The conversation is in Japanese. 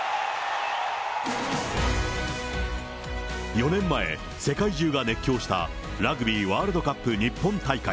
４年前、世界中が熱狂した、ラグビーワールドカップ日本大会。